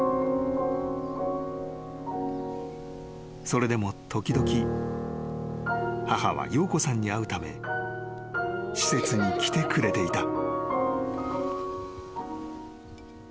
［それでもときどき母は洋子さんに会うため施設に来てくれていた］